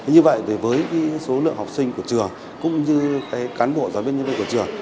như vậy với số lượng học sinh của trường cũng như cán bộ giáo viên nhân viên của trường